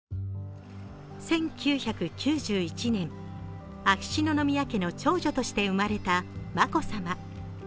１９９１年、秋篠宮家の長女として生まれた眞子さま。